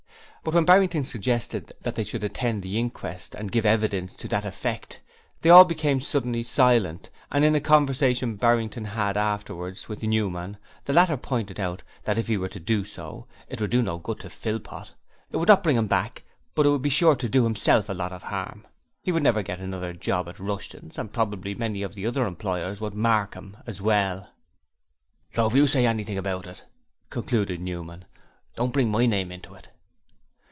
But when Barrington suggested that they should attend the inquest and give evidence to that effect, they all became suddenly silent and in a conversation Barrington afterwards had with Newman the latter pointed out that if he were to do so, it would do no good to Philpot. It would not bring him back but it would be sure to do himself a lot of harm. He would never get another job at Rushton's and probably many of the other employers would 'mark him' as well. 'So if YOU say anything about it,' concluded Newman, 'don't bring my name into it.'